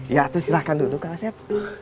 ya atuh silakan duduk kang aset